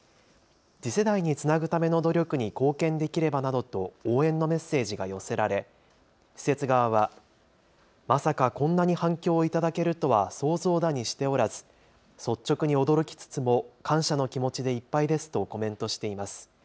次世代につなぐための努力に貢献できればなどと応援のメッセージが寄せられ、施設側はまさかこんなに反響を頂けるとは想像だにしておらず、率直に驚きつつも感謝の気持ちでいっぱいですとコメントしています。